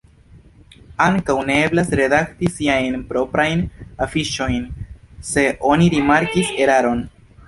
Ankaŭ ne eblas redakti siajn proprajn afiŝojn, se oni rimarkis eraron.